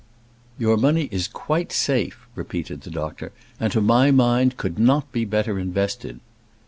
"Your money is quite safe," repeated the doctor, "and, to my mind, could not be better invested."